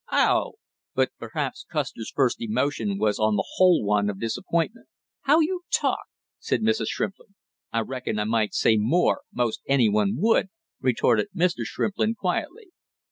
"Oh!" But perhaps Custer's first emotion was on the whole one of disappointment. "How you talk!" said Mrs. Shrimplin. "I reckon I might say more, most any one would," retorted Mr. Shrimplin quietly.